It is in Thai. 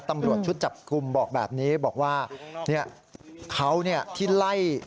ตำรวจชุดจับกลุ่มบอกแบบนี้บอกว่าเขาที่ไล่